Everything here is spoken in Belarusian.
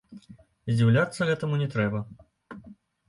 Здзіўляцца гэтаму не трэба.